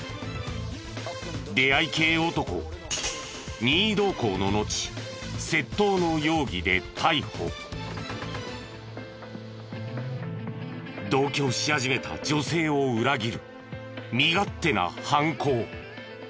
出会い系男を任意同行ののち同居し始めた女性を裏切る身勝手な犯行。